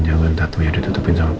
kalo dia gak ada disini